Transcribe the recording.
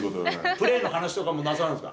プレーの話もなさるんですか。